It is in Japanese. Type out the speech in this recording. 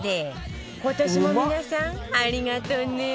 今年も皆さんありがとね